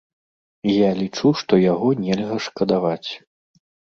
Я лічу, што яго нельга шкадаваць.